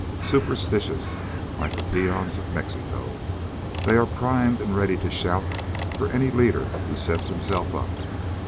Superstitious. Like the peons of Mexico, they're all primed and ready to shout for any leader who sets himself up.